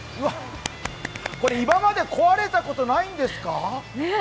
今まで壊れたことないんですか？